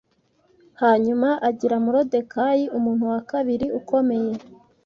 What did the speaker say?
Hanyuma agira Moridekayi umuntu wa kabiri ukomeye